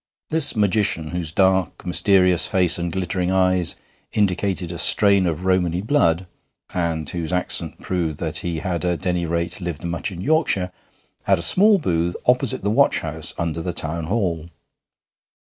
This magician, whose dark mysterious face and glittering eyes indicated a strain of Romany blood, and whose accent proved that he had at any rate lived much in Yorkshire, had a small booth opposite the watch house under the Town Hall.